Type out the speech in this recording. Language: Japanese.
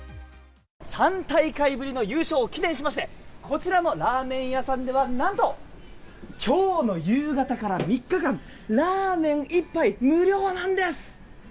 ３大会ぶりの優勝を記念しましてこちらのラーメン屋さんではなんと今日の夕方から３日間、ラーメン１杯無料なんです。